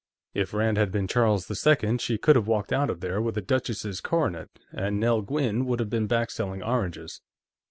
If Rand had been Charles II, she could have walked out of there with a duchess's coronet, and Nell Gwyn would have been back selling oranges.